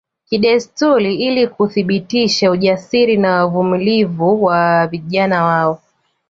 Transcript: Kidesturi ili kuthibitisha ujasiri na uvumilivu wa vijana wao